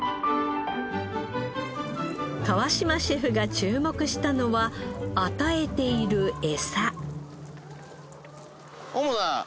川島シェフが注目したのは与えている餌。